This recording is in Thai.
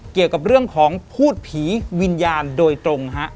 เกี่ยวกับเรื่องของพูดผีวิญญาณโดยตรงฮะ